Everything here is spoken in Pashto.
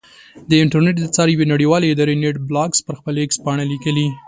د انټرنېټ د څار یوې نړیوالې ادارې نېټ بلاکس پر خپل ایکس پاڼه لیکلي.